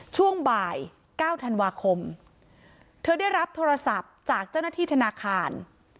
ช่วงบ่าย๙ธันวาคมเธอได้รับโทรศัพท์จากเจ้าหน้าที่ธนาคาร